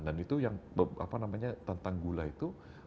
dan itu yang apa namanya tentang gula itu